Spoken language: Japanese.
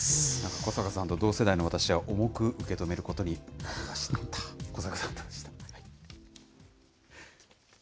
小坂さんと同世代の私は、重く受け止めることになりました。